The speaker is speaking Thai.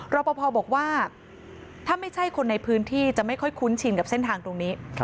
รอปภบอกว่าถ้าไม่ใช่คนในพื้นที่จะไม่ค่อยคุ้นชินกับเส้นทางตรงนี้